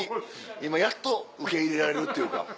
今やっと受け入れられるっていうか。